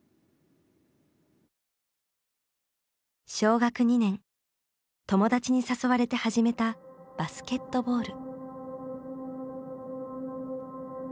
小学２年友達に誘われて始めたバスケットボール。